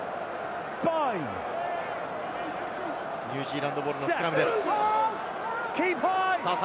ニュージーランドボールのスクラムです。